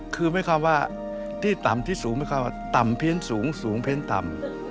คือหมายความว่าที่ต่ำที่สูงไม่เข้าต่ำเพี้ยนสูงสูงเพ้นต่ำ